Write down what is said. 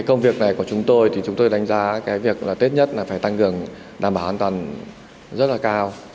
công việc này của chúng tôi thì chúng tôi đánh giá cái việc là tết nhất là phải tăng cường đảm bảo an toàn rất là cao